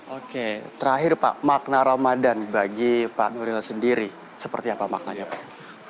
oke terakhir pak makna ramadan bagi pak nuril sendiri seperti apa maknanya pak